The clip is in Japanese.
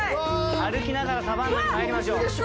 歩きながらサバンナに入りまうそでしょ。